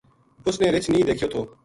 اس نے رچھ نیہہ دیکھیو تھو